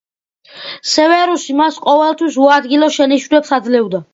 სევერუსი მას ყოველთვის უადგილო შენიშვნებს აძლევდა.